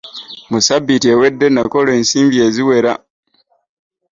Mu ssabbiiti ewedde nakola ensimbi eziwera.